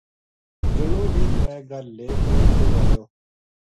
جنو یہ ترے گل لے کے ٹُر ایو